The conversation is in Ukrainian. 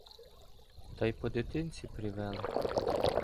Та й по дитинці привели.